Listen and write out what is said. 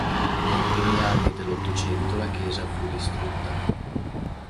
Nei primi anni dell'Ottocento la chiesa fu distrutta.